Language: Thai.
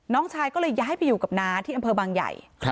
น้องชายก็เลยย้ายไปอยู่กับน้าที่อำเภอบางใหญ่